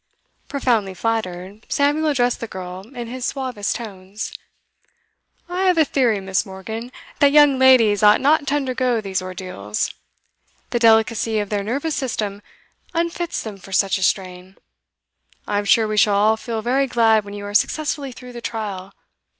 Profoundly flattered, Samuel addressed the girl in his suavest tones. 'I have a theory, Miss. Morgan, that young ladies ought not to undergo these ordeals. The delicacy of their nervous system unfits them for such a strain. I'm sure we shall all feel very glad when you are successfully through the trial.